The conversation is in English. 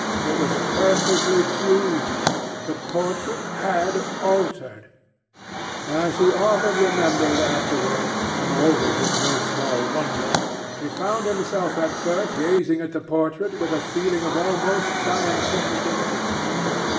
It was perfectly true. The portrait had altered. As he often remembered afterwards, and always with no small wonder, he found himself at first gazing at the portrait with a feeling of almost scientific interest.